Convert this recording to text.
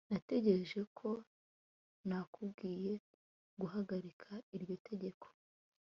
Natekereje ko nakubwiye guhagarika iryo tegeko